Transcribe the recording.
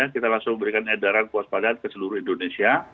kita langsung memberikan edaran kewaspadaan ke seluruh indonesia